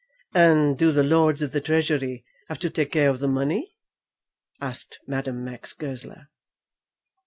"And do the Lords of the Treasury have to take care of the money?" asked Madame Max Goesler.